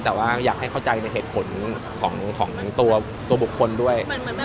แต่ว่าอยากให้เข้าใจในเหตุผลของตัวบุคคลด้วย